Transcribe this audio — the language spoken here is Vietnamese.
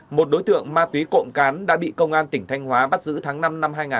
một đối tượng ma túy cộng cán đã bị công an tỉnh thanh hóa bắt giữ tháng năm năm hai nghìn hai mươi ba